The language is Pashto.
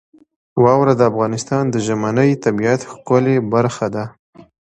واوره د افغانستان د ژمنۍ طبیعت ښکلې برخه ده.